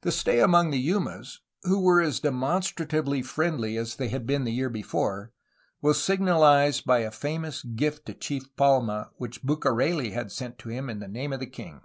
The stay among the Yumas, who were as demonstratively friendly as they had been the year before, was signalized by a famous gift to Chief Palma which BucareU had sent to him in the name of the king.